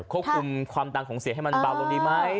ควบคุมความดังของเสียงให้มันเบาลงดีไหม